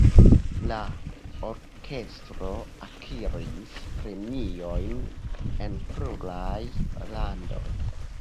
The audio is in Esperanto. La orkestro akiris premiojn en pluraj landoj.